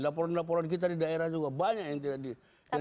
laporan laporan kita di daerah juga banyak yang tidak di